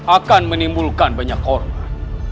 akan menimbulkan banyak hormat